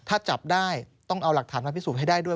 ถ้าจับได้ต้องเอาหลักฐานมาพิสูจน์ให้ได้ด้วย